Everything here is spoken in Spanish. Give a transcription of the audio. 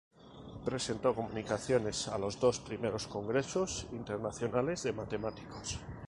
Presentó comunicaciones a los dos primeros congresos internacionales de matemáticos.